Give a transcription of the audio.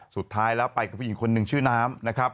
สุดท้ายแล้วไปกับผู้หญิงคนหนึ่งชื่อน้ำนะครับ